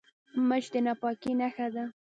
مچ د ناپاکۍ نښه ده